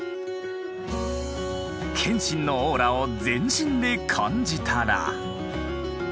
謙信のオーラを全身で感じたら。